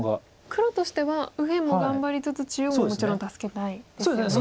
黒としては右辺も頑張りつつ中央ももちろん助けたいですよね。